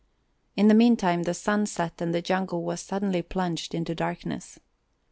In the meantime the sun set and the jungle was suddenly plunged in darkness.